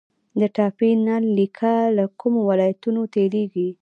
د ټاپي نل لیکه له کومو ولایتونو تیریږي؟